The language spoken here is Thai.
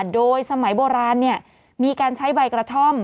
โดยสมัยโบราณมีการใช้ใบกระท่อม